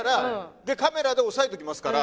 でカメラで押さえときますから。